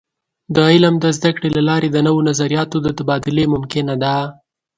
د علم د زده کړې له لارې د نوو نظریاتو د تبادلې ممکنه ده.